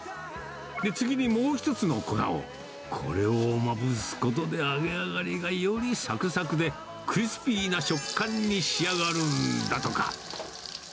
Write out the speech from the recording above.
次にもう一つの粉を、これをまぶすことで揚げ上がりがよりさくさくで、クリスピーな食感に仕上がるんだとか。